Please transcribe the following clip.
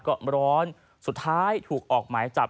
ก็ร้อนสุดท้ายถูกออกหมายจับ